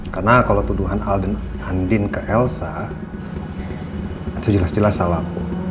karena kalau tuduhan al dan andien ke elsa itu jelas jelas salah